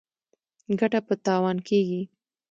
ګټه په تاوان کیږي.